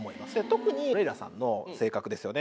特にレイラさんの性格ですよね